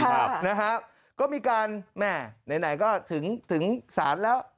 ครับนะครับก็มีการแหม่ไหนก็ถึงถึงสานแล้ว